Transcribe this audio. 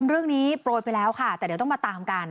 เรื่องนี้โปรยไปแล้วค่ะแต่เดี๋ยวต้องมาตามกัน